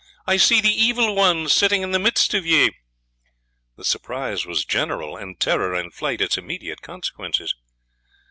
I see the Evil One sitting in the midst of ye." The surprise was general, and terror and flight its immediate consequences.